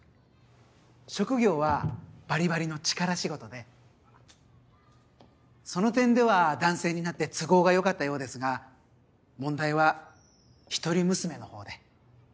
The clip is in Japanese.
職業はバリバリの力仕事でその点では男性になって都合がよかったようですが問題は一人娘の方で。